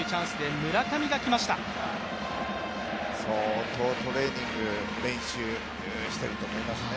相当トレーニング、練習していると思いますね。